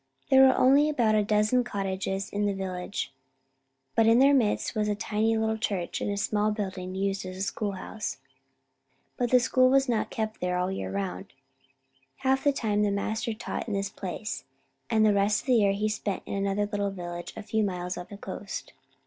There were only about a dozen cottages in the village, but in their midst was a tiny little church and a small building used as the schoolhouse. But school was not kept there all the year round. Half of the time the master taught in this place, and the rest of the year he spent in another little village a few miles up the coast.